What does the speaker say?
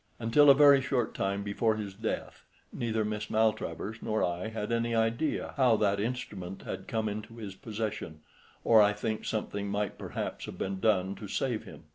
Until a very short time before his death neither Miss Maltravers nor I had any idea how that instrument had come into his possession, or I think something might perhaps have been done to save him.